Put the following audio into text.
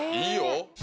いいよ。